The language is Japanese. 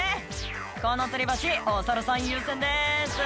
「このつり橋お猿さん優先です」